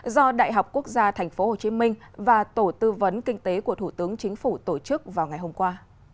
do đại học quốc gia tp hcm và tổ tư vấn kinh tế của thủ tướng chính phủ tổ chức vào ngày hôm qua